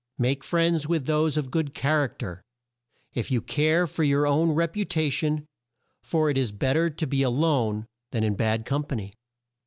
"Make friends with those of good char ac ter, if you care for your own rep u ta tion, for it is bet ter to be a lone than in bad com pa ny.